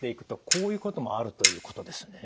こういうこともあるということですね。